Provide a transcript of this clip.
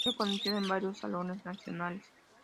Fue reconocida en varios salones nacionales.